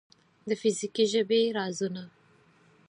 د فزیکي ژبې رازونه